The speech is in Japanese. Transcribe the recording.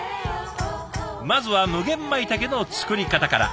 まずは無限まいたけの作り方から。